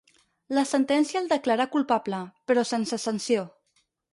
La sentència el declarà culpable, però sense sanció.